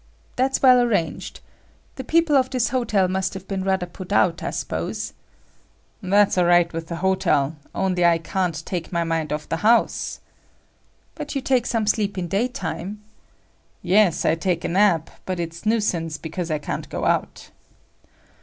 "That's well arranged. The people of this hotel must have been rather put out, I suppose." "That's all right with the hotel; only I can't take my mind off the house." "But you take some sleep in daytime." "Yes, I take a nap, but it's nuisance because I can't go out."